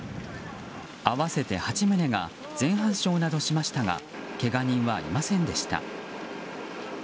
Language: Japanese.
合わせて８棟が全半焼などしましたがけが人はいませんでした。